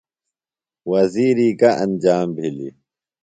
وزیری گہ انجام بِھلیۡ؟